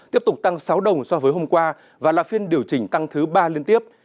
tiếp tục tăng sáu đồng so với hôm qua và là phiên điều chỉnh tăng thứ ba liên tiếp